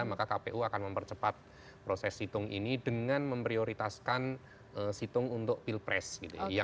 maka kpu akan mempercepat proses situng ini dengan memprioritaskan situng untuk pilpres gitu ya